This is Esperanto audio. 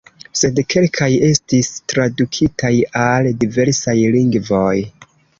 Sed kelkaj estis tradukitaj al diversaj lingvoj.